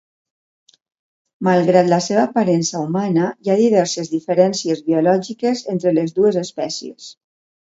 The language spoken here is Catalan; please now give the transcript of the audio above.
Malgrat la seva aparença humana, hi ha diverses diferències biològiques entre les dues espècies.